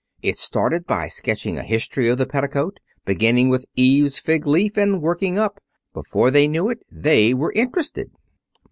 It started by sketching a history of the petticoat, beginning with Eve's fig leaf and working up. Before they knew it they were interested.'